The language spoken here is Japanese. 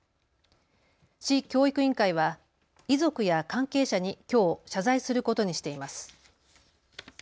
市教育委員会は遺族や関係者にきょう謝罪することにしています。